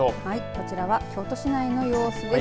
こちらは京都市内の様子です。